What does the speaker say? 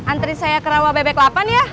antri saya ke rawa bebek delapan ya